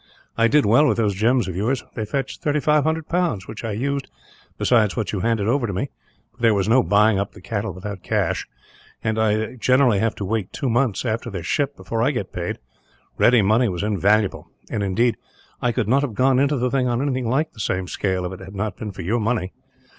I did well with those gems of yours they fetched 3500 pounds, which I used, besides what you handed over to me for there was no buying up the cattle without cash and, as I generally have to wait two months after they are shipped, before I get paid, ready money was invaluable and, indeed, I could not have gone into the thing on anything like the same scale, if it had not been for your money.